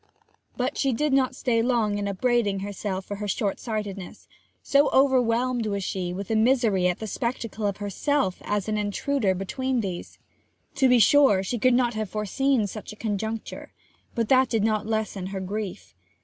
But she did not stay long upbraiding herself for her shortsightedness, so overwhelmed was she with misery at the spectacle of herself as an intruder between these. To be sure she could not have foreseen such a conjuncture; but that did not lessen her grief.